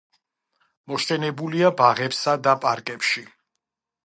მოშენებულია ბაღებსა და პარკებში.